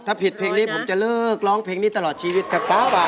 ถ้าผิดเพลงนี้ผมจะเลิกร้องเพลงนี้ตลอดชีวิตครับ